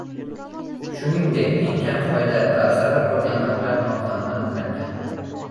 Shuningdek, eng kam foyda va zarar ko‘rgan banklar nomi ham aniqlangan